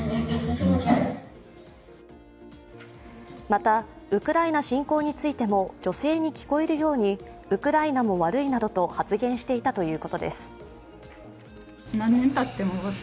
またウクライナ侵攻についても、女性に聞こえるようにウクライナも悪いなどと発言していたということです。